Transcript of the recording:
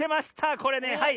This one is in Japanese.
これねはい。